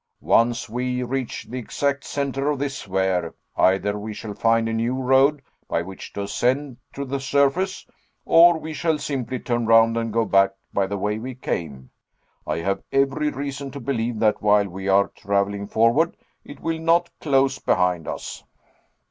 "Once we reach the exact centre of this sphere, either we shall find a new road by which to ascend to the surface, or we shall simply turn round and go back by the way we came. I have every reason to believe that while we are traveling forward, it will not close behind us."